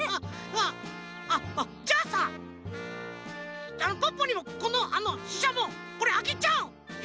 わっあっあっじゃあさポッポにもこのししゃもこれあげちゃう。